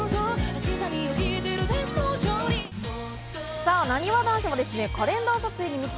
さあ、なにわ男子のカレンダー撮影に密着。